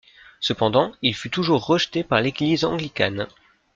Cependant, il fut toujours rejeté par l’Église anglicane.